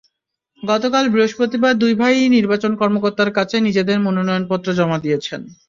গতকাল বৃহস্পতিবার দুই ভাই-ই নির্বাচন কর্মকর্তার কাছে নিজেদের মনোনয়নপত্র জমা দিয়েছেন।